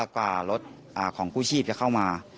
กว่ารถของกู้ชีพจะเข้ามา